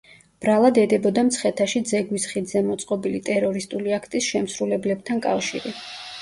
ბრალად ედებოდა, მცხეთაში ძეგვის ხიდზე მოწყობილი ტერორისტული აქტის შემსრულებლებთან კავშირი.